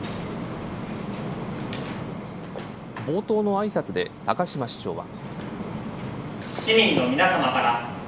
冒頭のあいさつで高島市長は。